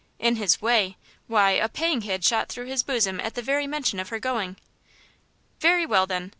In his way! Why, a pang had shot through his bosom at the very mention of her going. "Very well, then.